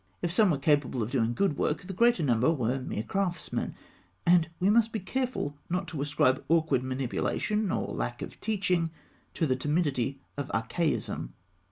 If some were capable of doing good work, the greater number were mere craftsmen; and we must be careful not to ascribe awkward manipulation, or lack of teaching, to the timidity of archaism.